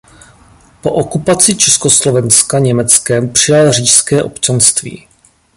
Po okupaci Československa Německem přijal říšské občanství.